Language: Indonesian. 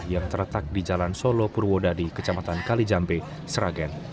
yang terletak di jalan solo purwodadi kecamatan kalijambe sragen